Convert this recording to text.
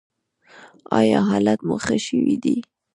ایا حالت مو ښه شوی دی؟